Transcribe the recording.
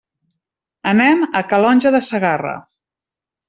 Anem a Calonge de Segarra.